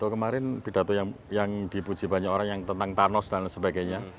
kemarin pidato yang dipuji banyak orang yang tentang thanos dan sebagainya